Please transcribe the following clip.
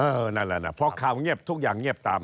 นั่นแหละนะพอข่าวเงียบทุกอย่างเงียบตาม